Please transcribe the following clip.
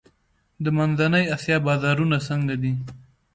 د منځنۍ اسیا بازارونه څنګه دي؟